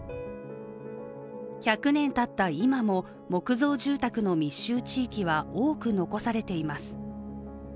１００年たった今も、木造住宅の密集地域は多く残されています。